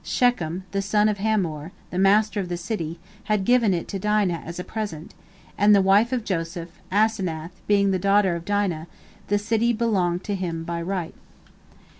Shechem, son of Hamor, the master of the city, had given it to Dinah as a present, and the wife of Joseph, Asenath, being the daughter of Dinah, the city belonged to him by right.